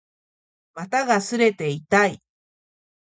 股が擦れて痛い